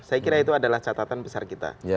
saya kira itu adalah catatan besar kita